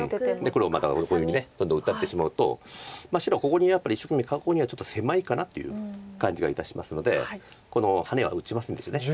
黒またこういうふうにどんどん打たれてしまうと白ここにやっぱり一生懸命囲うにはちょっと狭いかなっていう感じがいたしますのでこのハネは打ちませんでした。